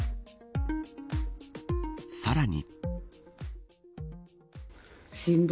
さらに。